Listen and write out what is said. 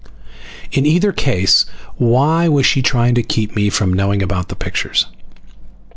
In either case, why was she trying to keep me from knowing about the pictures?